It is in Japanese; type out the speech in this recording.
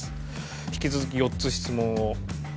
引き続き４つ質問を。